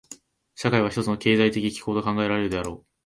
社会は一つの経済的機構と考えられるであろう。